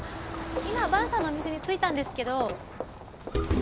今萬さんのお店に着いたんですけど。